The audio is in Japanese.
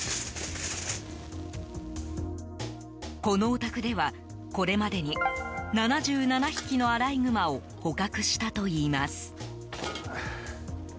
このお宅では、これまでに７７匹のアライグマを捕獲したといいます。